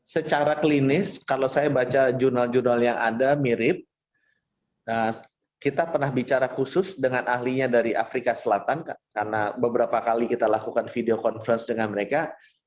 secara klinis kalau saya baca jurnal jurnal yang ada mirip kita pernah bicara khusus dengan ahlinya dari afrika selatan karena beberapa kali kita lakukan video conference dengan mereka